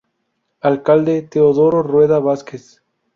Alcalde: Teodoro Rueda Vásquez.